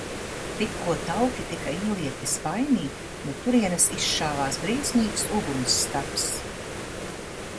Tikko tauki tika ielieti spainī, no turienes izšāvās briesmīgs uguns stabs.